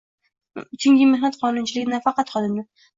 Chunki mehnat qonunchiligi nafaqat xodimni